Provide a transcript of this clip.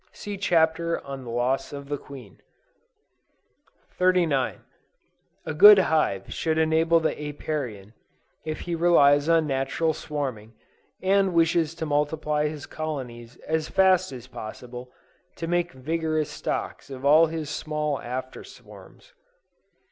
(See Chapter on the Loss of the Queen.) 39. A good hive should enable the Apiarian, if he relies on natural swarming, and wishes to multiply his colonies as fast as possible, to make vigorous stocks of all his small after swarms.